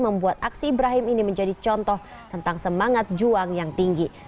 membuat aksi ibrahim ini menjadi contoh tentang semangat juang yang tinggi